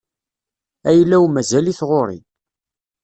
Ayla-w mazal-it ɣur-i.